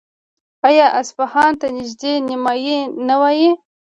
آیا اصفهان ته د نړۍ نیمایي نه وايي؟